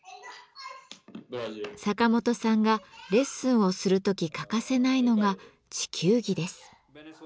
サカモトさんがレッスンをする時欠かせないのが地球儀です。